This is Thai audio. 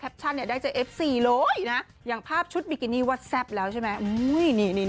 คือใบเฟิร์นเขาเป็นคนที่อยู่กับใครก็ได้ค่ะแล้วก็ตลกด้วย